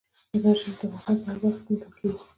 مزارشریف د افغانستان په هره برخه کې موندل کېږي.